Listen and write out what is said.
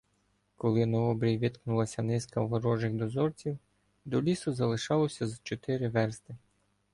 Коли на обрій виткнулася низка ворожих дозорців, до лісу залишалося з чотири версти.